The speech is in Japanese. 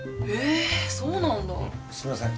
へぇそうなんだ？